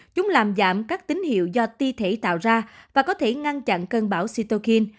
chúng làm giảm các tín hiệu do ti thể tạo ra và có thể ngăn chặn cơn bão sitokin